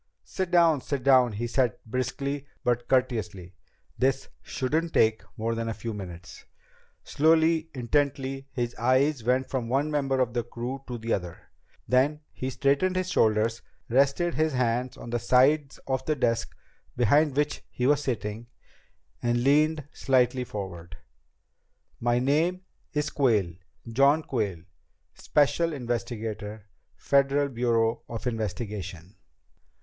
"Sit down, sit down," he said briskly but courteously. "This shouldn't take more than a few minutes." Slowly, intently, his eyes went from one member of the crew to the other. Then he straightened his shoulders, rested his hands on the sides of the desk behind which he was sitting, and leaned slightly forward. "My name's Quayle. John Quayle. Special Investigator, Federal Bureau of Investigation."